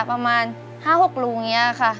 ประมาณ๕๖รูอย่างนี้ค่ะ